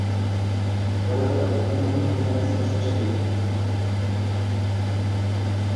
Va davlat odamlarning manfaati uchun boshqarishi kerak